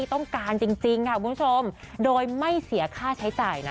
ต้องการจริงค่ะคุณผู้ชมโดยไม่เสียค่าใช้จ่ายนะ